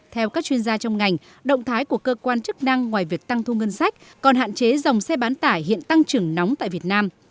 theo các chuyên gia trong ngành động thái của cơ quan chức năng ngoài việc tăng thu ngân sách còn hạn chế dòng xe bán tải hiện tăng trưởng nóng tại việt nam